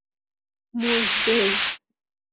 مژده